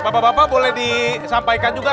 bapak bapak boleh disampaikan juga